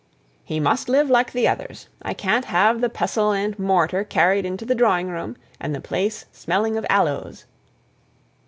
"He must live like the others. I can't have the pestle and mortar carried into the drawing room, and the place smelling of aloes."